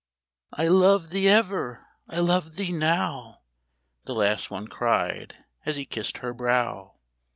" I loved thee ever, I love thee now," The last one cried, as he kissed her brow.